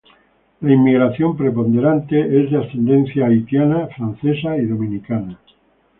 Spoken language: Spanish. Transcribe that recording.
La inmigración preponderante es de ascendencia haitiana, francesa y dominicana.